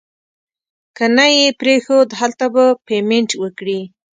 که نه یې پرېښود هلته به پیمنټ وکړي.